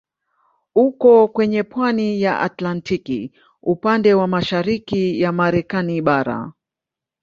Uko kwenye pwani ya Atlantiki upande wa mashariki ya Marekani bara.